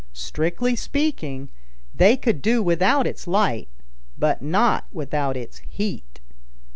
Strictly speaking, they could do without its light, but not without its heat.